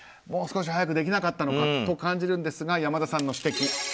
もう少し早くできなかったのかと感じるんですが、山田さんの指摘。